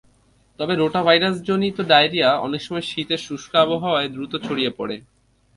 তবে rota ভাইরাসজনিত diarrhoea অনেক সময় শীতের শুষ্ক আবহাওয়ায় দ্রুত ছড়িয়ে পড়ে।